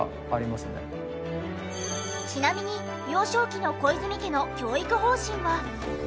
ちなみに幼少期の小泉家の教育方針は。